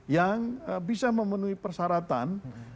yang bisa memenuhi persyaratan